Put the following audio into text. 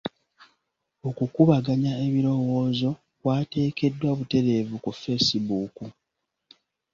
Okukubaganya ebirowoozo kwateekeddwa butereevu ku facebook.